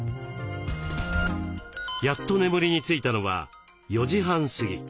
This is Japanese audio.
やっと眠りについたのは４時半過ぎ。